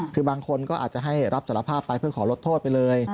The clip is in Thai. คือบางคนก็อาจจะให้รับสารภาพไปเพื่อขอลดโทษไปเลย